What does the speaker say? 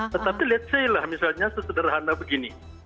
tetapi let's say lah misalnya sesederhana begini